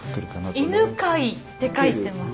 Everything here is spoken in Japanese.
「犬飼」って書いてます。